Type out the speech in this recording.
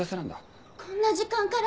こんな時間から？